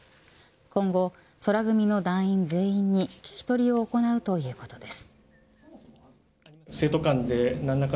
今後、宙組の団員全員に聞き取りを行うということです。